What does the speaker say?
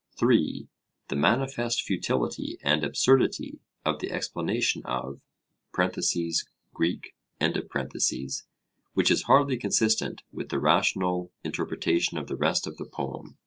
(3) The manifest futility and absurdity of the explanation of (Greek), which is hardly consistent with the rational interpretation of the rest of the poem.